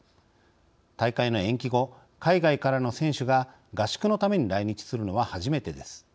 大会の延期後、海外からの選手が合宿のために来日するのは初めてです。